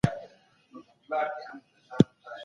استازو به رسمي غونډي سمبالولې.